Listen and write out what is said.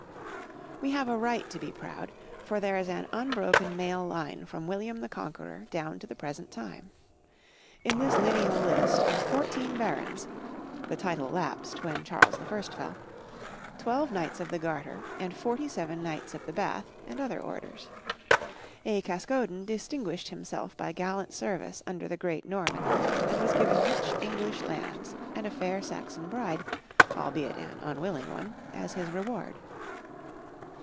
We have a right to be proud, for there is an unbroken male line from William the Conqueror down to the present time. In this lineal list are fourteen Barons the title lapsed when Charles I fell twelve Knights of the Garter and forty seven Knights of the Bath and other orders. A Caskoden distinguished himself by gallant service under the Great Norman and was given rich English lands and a fair Saxon bride, albeit an unwilling one, as his reward.